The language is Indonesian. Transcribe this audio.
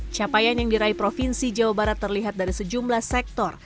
capaian yang diraih provinsi jawa barat terlihat dari sejumlah sektor